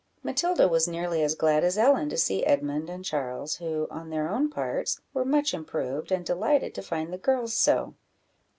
Matilda was nearly as glad as Ellen to see Edmund and Charles, who, on their own parts, were much improved, and delighted to find the girls so.